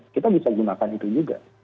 kita bisa gunakan itu juga